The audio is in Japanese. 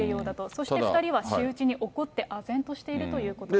そして、２人は仕打ちに怒って、あぜんとしているということです。